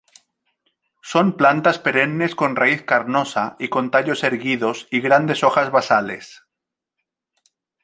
Son plantas perennes con raíz carnosa y con tallos erguidos y grandes hojas basales.